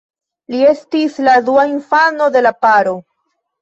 Li estis la dua infano de la paro.